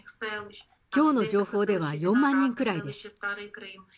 きょうの情報では４万人くらいです。